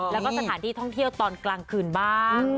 แล้วก็สถานที่ท่องเที่ยวตอนกลางคืนบ้าง